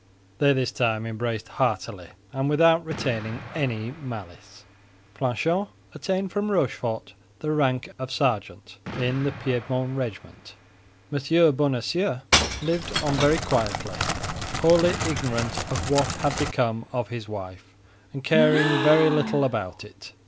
They this time embraced heartily, and without retaining any malice. Planchet obtained from Rochefort the rank of sergeant in the Piedmont regiment. M. Bonacieux lived on very quietly, wholly ignorant of what had become of his wife, and caring very little about it.